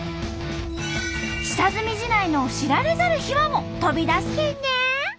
下積み時代の知られざる秘話も飛び出すけんね！